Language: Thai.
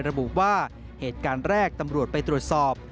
ระบุว่าเหตุการณ์แรกตำรวจไปตรวจสอบ